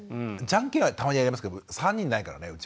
じゃんけんはたまにやりますけど３人ないからねうちも。